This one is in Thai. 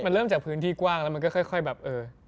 มันเริ่มจากพื้นที่กว้างแล้วมันก็ค่อยแบบเออ